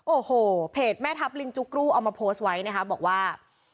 โอ้โหเพจแม่ทัพลิงจุ๊กรูเอามาโพสต์ไว้นะคะบอกว่า